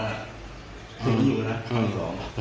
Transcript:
มีคนอยู่นะภายสอง